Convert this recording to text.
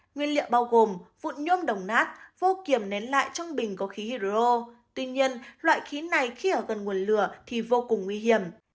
nguyên liệu bao gồm vụn nhôm đồng nát vô kiểm nén lại trong bình có khí hydro tuy nhiên loại khí này khi ở gần nguồn lửa thì vô cùng nguy hiểm